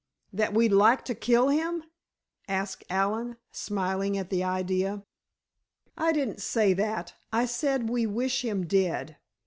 "That we'd like to kill him?" asked Allen, smiling at the idea. "I didn't say that—I said we wish him dead.